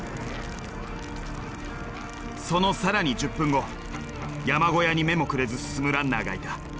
その更に１０分後山小屋に目もくれず進むランナーがいた。